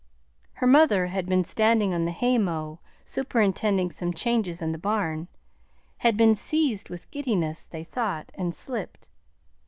Her mother had been standing on the haymow superintending some changes in the barn, had been seized with giddiness, they thought, and slipped.